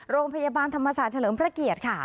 โรงพยาบาลธรรมศาสตร์เฉลิมพระเกียรติค่ะ